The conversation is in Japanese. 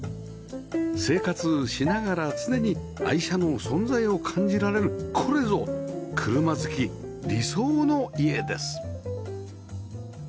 生活しながら常に愛車の存在を感じられるこれぞ車好き理想の家です